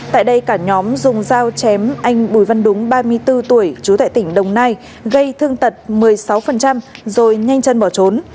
tại đây cả nhóm dùng dao chém anh bùi văn đúng ba mươi bốn tuổi chú tại tỉnh đồng nai gây thương tật một mươi sáu rồi nhanh chân bỏ trốn